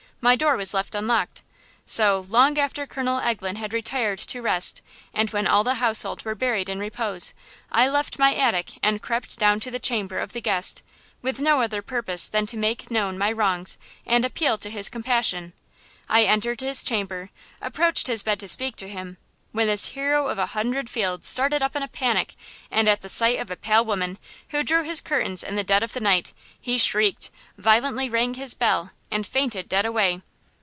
My door was left unlocked. So, long after Colonel Eglen had retired to rest, and when all the household were buried in repose, I left my attic and crept down to the chamber of the guest, with no other purpose than to make known my wrongs and appeal to his compassion. I entered his chamber, approached his bed to speak to him, when this hero of a hundred fields started up in a panic, and at the site of the pale woman who drew his curtains in the dead of the night, he shrieked, violently rang his bell, and fainted dead away."